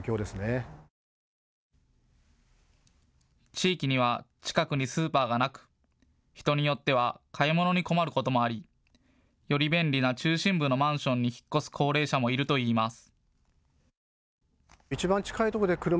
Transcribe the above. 地域には近くにスーパーがなく人によっては買い物に困ることもありより便利な中心部のマンションに引っ越す高齢者もいるといいます。